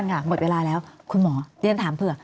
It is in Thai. หมดเวลาแล้วคุณหมอเรียนถามเผื่อ